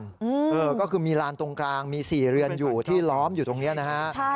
เออก็คือมีลานตรงกลางมี๔เรือนอยู่ที่ล้อมอยู่ตรงนี้นะฮะ